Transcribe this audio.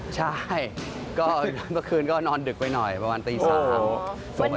ใช่พอครร็งพนี้จะต้องนอนดึกไปหน่อยประมาณอีกตรีสาม